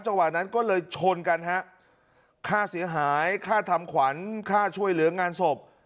จังหวะนั้นก็เลยชนกันฮะค่าเสียหายค่าทำขวัญค่าช่วยเหลืองานศพ